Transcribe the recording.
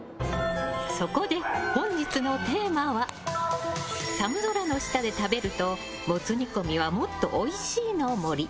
そこで本日のテーマは寒空の下で食べるとモツ煮込みはもっと美味しいの森。